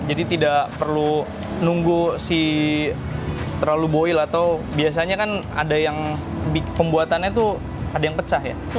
jadi tidak perlu nunggu si terlalu boil atau biasanya kan ada yang pembuatannya tuh ada yang pecah ya